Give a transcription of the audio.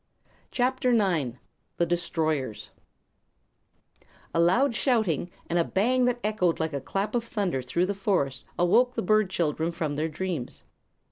[CHAPTER IX] The Destroyers A loud shouting and a bang that echoed like a clap of thunder through the forest awoke the bird children from their dreams.